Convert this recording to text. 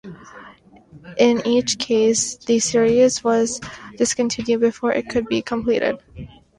In each case, the series was discontinued before it could be completed.